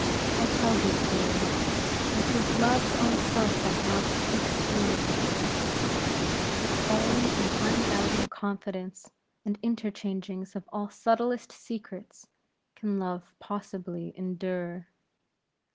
I tell thee, Pierre and 'tis Love's own self that now speaks through me only in unbounded confidence and interchangings of all subtlest secrets, can Love possibly endure.